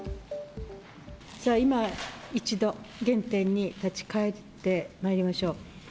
さあ、今一度、原点に立ち返ってまいりましょう。